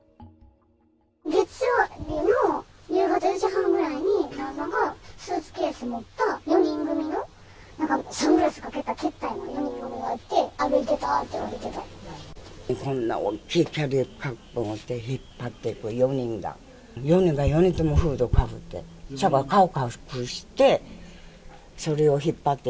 月曜日の夕方４時半ぐらいに、旦那がスーツケース持った４人組のなんかサングラスかけた、けったいな４人組がいて、こんな大きいキャリーバッグを持って、引っ張って、４人が、４人が４人ともフードをかぶって、しかも顔隠して、それを引っ張って。